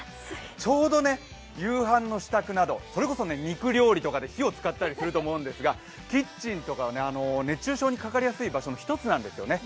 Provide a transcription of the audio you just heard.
ちょうど夕飯の支度など、それこそ肉料理とかで火を使ったりすると思うんですがキッチンとかは熱中症にかかりやすい場所の一つなんですよね。